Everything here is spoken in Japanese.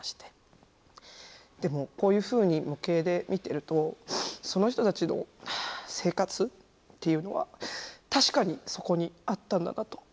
でもこういうふうに模型で見てるとその人たちの生活っていうのは確かにそこにあったんだなと。